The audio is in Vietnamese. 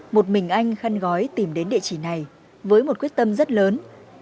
một mình anh khăn gói tìm đến địa chỉ này với một quyết tâm rất lớn